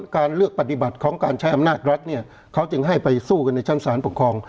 การเลือกปฏิบัติของการใช้อำนาจรัฐเนี่ยเขาจึงให้ไปสู้กันในชั้นสารปกครอง